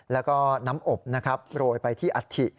แล้วก็น้ำอบโปรยไปที่อาธิ